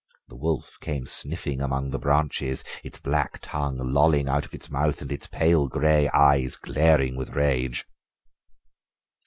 The wolf came sniffing among the branches, its black tongue lolling out of its mouth and its pale grey eyes glaring with rage.